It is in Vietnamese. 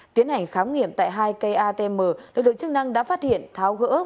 tiến hành khám nghiệm tại hai cây atm lực lượng chức năng đã phát hiện tháo gỡ